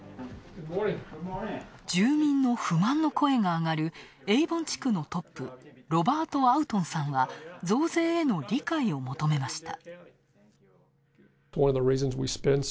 住民の不満の声が上がるエイボン地区のトップ、ロバート・アウトンさんは、増税への理解を求めました。